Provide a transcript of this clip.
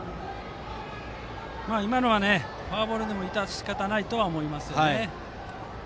今のはフォアボールでも致し方ないと思いますね。